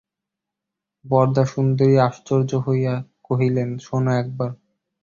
বরদাসুন্দরী আশ্চর্য হইয়া কহিলেন, শোনো একবার!